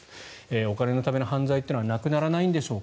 お金のための犯罪というのはなくならないんでしょうか？